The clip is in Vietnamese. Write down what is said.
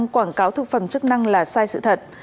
chín mươi quảng cáo thực phẩm chức năng là sai sự thật